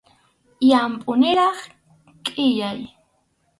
Llampʼu niraq qʼillay.